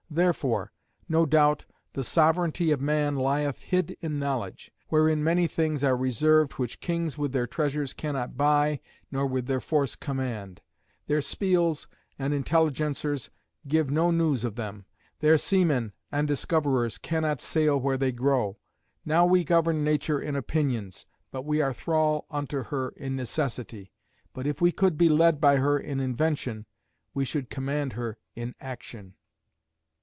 Therefore, no doubt, the sovereignty of man lieth hid in knowledge; wherein many things are reserved which kings with their treasures cannot buy nor with their force command; their spials and intelligencers can give no news of them; their seamen and discoverers cannot sail where they grow. Now we govern nature in opinions, but we are thrall unto her in necessity; but if we could be led by her in invention, we should command her in action."